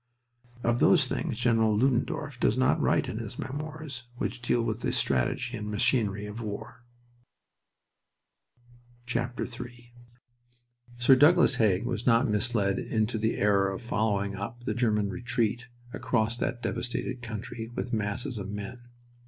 Of those things General Ludendorff does not write in his Memoirs, which deal with the strategy and machinery of war. III Sir Douglas Haig was not misled into the error of following up the German retreat, across that devastated country, with masses of men.